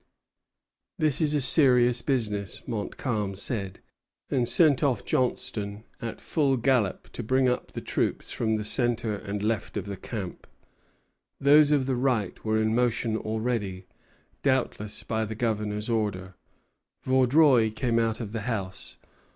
"This is a serious business," Montcalm said; and sent off Johnstone at full gallop to bring up the troops from the centre and left of the camp. Those of the right were in motion already, doubtless by the Governor's order. Vaudreuil came out of the house.